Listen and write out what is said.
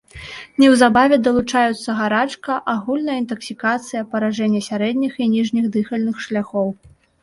Неўзабаве далучаюцца гарачка, агульная інтаксікацыя, паражэнне сярэдніх і ніжніх дыхальных шляхоў.